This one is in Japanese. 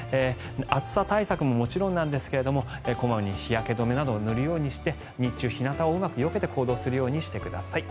暑さ対策ももちろんなんですが小まめに日焼け止めなども塗るようにして日中、日なたをうまくよけて行動するようにしてください。